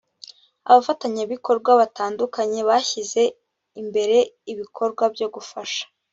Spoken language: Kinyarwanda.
abafatanyabikorwa batandukanye bashyize imnbere ibikorwa byo gufasha